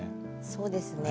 そうですね。